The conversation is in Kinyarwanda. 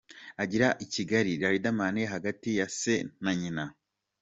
Akigera i Kigali, Riderman hagati ya Se na Nyina.